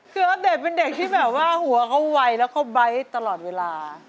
คืออัปเดตเป็นเด็กที่แบบว่าหัวเขาไวแล้วเขาไบท์ตลอดเวลา